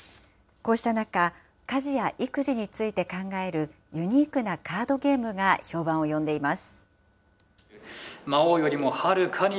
こうした中、家事や育児について考えるユニークなカードゲームが評判を呼んでいます。